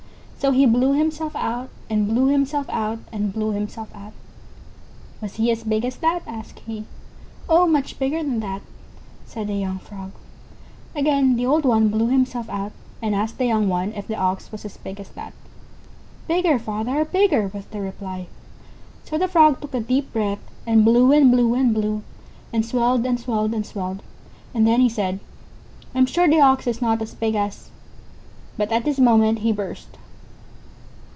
So he blew himself out, and blew himself out, and blew himself out. "Was he as big as that?" asked he. "Oh, much bigger than that," said the young Frog. Again the old one blew himself out, and asked the young one if the Ox was as big as that. "Bigger, father, bigger," was the reply. So the Frog took a deep breath, and blew and blew and blew, and swelled and swelled and swelled. And then he said: "I'm sure the Ox is not as big as ______" But at this moment he burst.